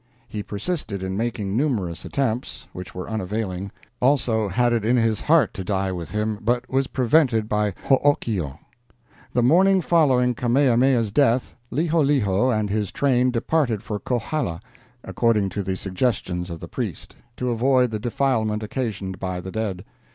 He persisted in making numerous attempts, which were unavailing, also had it in his heart to die with him, but was prevented by Hookio. "The morning following Kamehameha's death, Liholiho and his train departed for Kohala, according to the suggestions of the priest, to avoid the defilement occasioned by the dead.